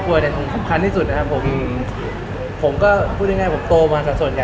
ผมก็พูดง่ายผมโตมากับส่วนใหญ่